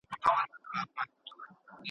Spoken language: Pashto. پر پنځيزو سرچينو واک لرل اړين دي.